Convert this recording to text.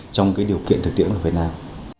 trong điều kiện thực tiễn của việt nam